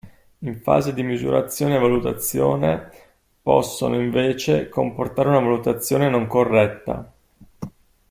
In fase di misurazione e valutazione possono, invece, comportare una valutazione non corretta.